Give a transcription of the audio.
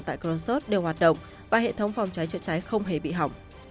tại crosso city đều hoạt động và hệ thống phòng cháy chữa cháy không hề bị hỏng